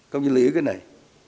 công ty lý ý cái này